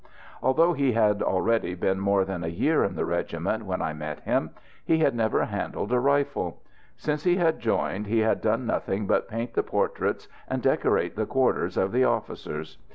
Although he had already been more than a year in the regiment when I met him, he had never handled a rifle. Since he had joined he had done nothing but paint the portraits and decorate the quarters of the officers.